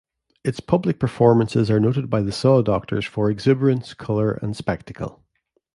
Its public performances are noted by The Saw Doctors for exuberance, colour and spectacle.